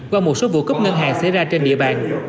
qua một số vụ cướp ngân hàng xảy ra trên địa bàn